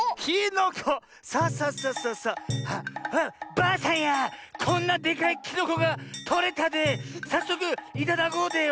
ばあさんやこんなでかいきのこがとれたでさっそくいただこうでよ。